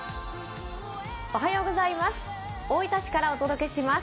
大分市からお届けします。